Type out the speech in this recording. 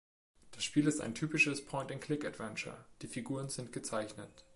Das Spiel ist ein typisches "Point-&-Click"-Adventure, die Figuren sind gezeichnet.